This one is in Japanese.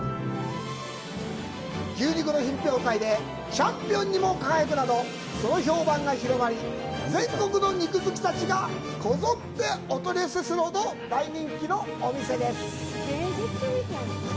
牛肉の品評会で、チャンピオンにも輝くなど、その評判が広まり、全国の肉好きたちが、こぞってお取り寄せするほど大人気のお店です。